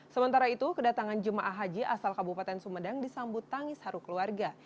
sementara itu kedatangan jemaah haji asal kabupaten sumedang disambut tangis haru keluarga